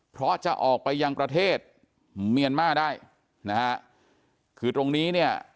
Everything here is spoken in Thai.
เพราะจะออกไปยังประเทศเมียนมาร์ได้นะฮะคือตรงนี้เนี่ย